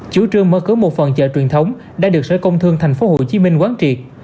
chủ trương mở cửa một phần chợ truyền thống đã được sở công thương tp hcm quán triệt